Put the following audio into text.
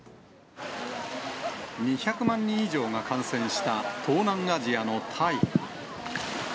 ２００万人以上が感染した東南アジアのタイ。